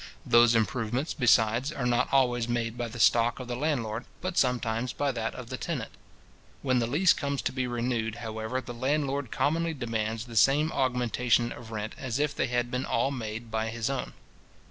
Those improvements, besides, are not always made by the stock of the landlord, but sometimes by that of the tenant. When the lease comes to be renewed, however, the landlord commonly demands the same augmentation of rent as if they had been all made by his own.